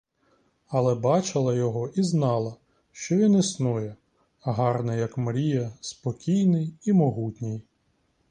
Але бачила його і знала, що він існує, гарний, як мрія, спокійний і могутній.